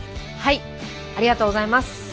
ありがとうございます。